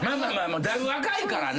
だいぶ若いからな。